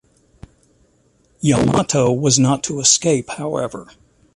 "Yamato" was not to escape, however.